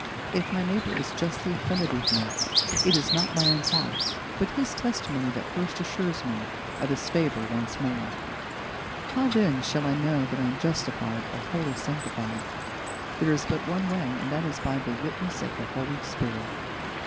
If my neighbour is justly offended with me, it is not my own heart, but his testimony that first assures me of his favour once more. How, then, shall I know that I am justified or wholly sanctified? There is but one way, and that is by the witness of the Holy Spirit.